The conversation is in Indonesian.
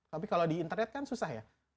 tapi kalau di internet kan susah ya